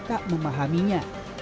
yang tak memahaminya